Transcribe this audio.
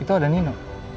itu ada nino